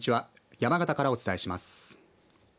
山形からお伝えします。